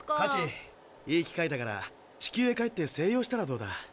ハチいい機会だから地球へ帰って静養したらどうだ？